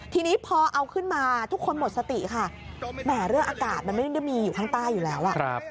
ทีนี้พอเอาขึ้นมาทุกคนหมดสติค่ะแหมเรื่องอากาศมันไม่ได้มีอยู่ข้างใต้อยู่แล้ว